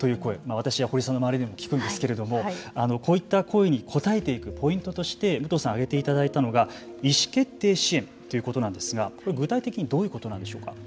私や保里さんの周りでも聞くんですけどこういった声に応えていくポイントとして武藤さんに挙げていただいたのが意思決定支援ということなんですが具体的にどういうことなんでしょうか。